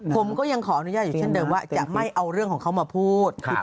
ผมก็ยังขออนุญาตอยู่เช่นเดิมว่าจะไม่เอาเรื่องของเขามาพูด